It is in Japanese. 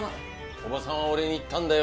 伯母さんは俺に言ったんだよ。